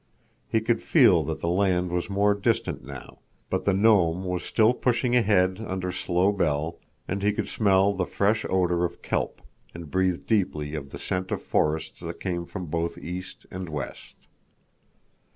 He could feel that the land was more distant now, but the Nome was still pushing ahead under slow bell, and he could smell the fresh odor of kelp, and breathe deeply of the scent of forests that came from both east and west.